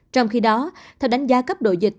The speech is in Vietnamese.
trong khi đó theo đánh giá cấp độ dịch